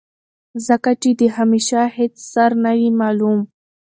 ځکه چې د همېشه هېڅ سر نۀ وي معلوم